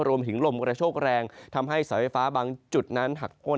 รวมถึงลมกระโชคแรงทำให้เสาไฟฟ้าบางจุดนั้นหักพ้น